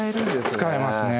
使えますね